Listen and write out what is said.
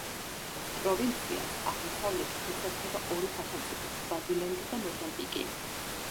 პროვინციას აღმოსავლეთით ესაზღვრება ორი სახელმწიფო სვაზილენდი და მოზამბიკი.